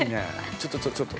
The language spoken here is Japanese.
ちょっとちょっと。